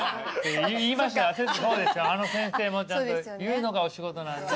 そうですよあの先生もちゃんと言うのがお仕事なんで。